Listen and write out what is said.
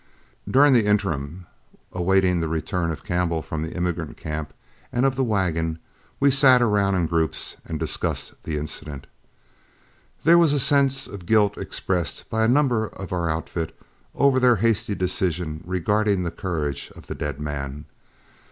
During the interim, awaiting the return of Campbell from the emigrant camp and of the wagon, we sat around in groups and discussed the incident. There was a sense of guilt expressed by a number of our outfit over their hasty decision regarding the courage of the dead man.